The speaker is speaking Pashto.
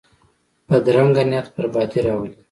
بدرنګه نیت بربادي راولي